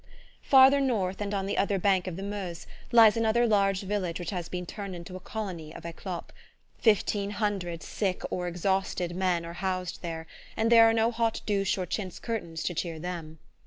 Farther north, and on the other bank of the Meuse, lies another large village which has been turned into a colony of eclopes. Fifteen hundred sick or exhausted men are housed there and there are no hot douches or chintz curtains to cheer them!